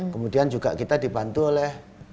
kemudian juga kita dibantu oleh